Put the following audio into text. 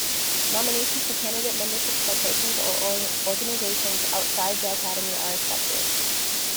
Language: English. Nominations for candidate membership by persons or organizations outside the Academy are accepted.